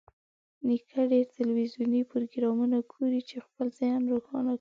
نیکه ډېر تلویزیوني پروګرامونه ګوري چې خپل ذهن روښانه کړي.